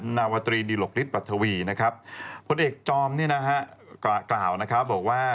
นาวตรีดิหลกฤทธาวีผู้เด็กจอมกล่าวบอกว่า